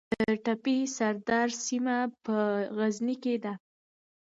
د تپې سردار سیمه په غزني کې ده